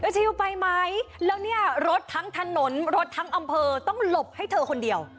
ชิลไปไหมแล้วเนี่ยรถทั้งถนนรถทั้งอำเภอต้องหลบให้เธอคนเดียว